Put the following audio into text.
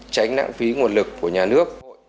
tránh nãng phí nguồn lực của nhà nước